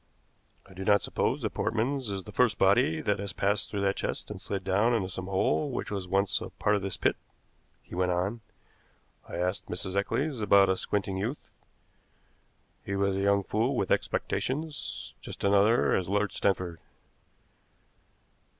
"I do not suppose that Portman's is the first body that has passed through that chest and slid down into some hole which was once a part of this pit," he went on. "I asked Mrs. Eccles about a squinting youth. He was a young fool with expectations, just such another as Lord Stanford.